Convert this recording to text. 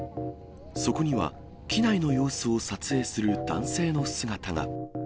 そこには、機内の様子を撮影する男性の姿が。